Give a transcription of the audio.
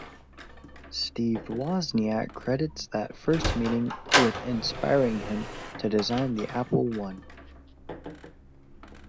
Steve Wozniak credits that first meeting with inspiring him to design the Apple I.